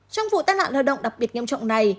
trong vụ tai nạn lao động đặc biệt nghiêm trọng này